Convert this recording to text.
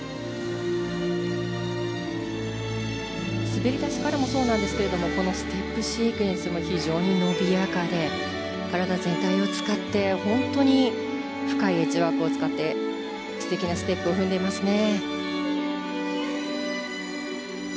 滑り出しからもそうなんですけどステップシークエンスも非常に伸びやかで体全体を使って本当に深いエッジワークを使って素敵なステップを踏んでいますね。